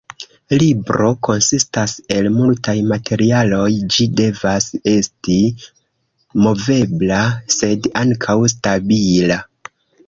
Libro konsistas el multaj materialoj, ĝi devas esti movebla sed ankaŭ stabila.